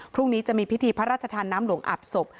พรุ่งนี้จะมีพิธีพระราชทานน้ำหลวงอาบศพ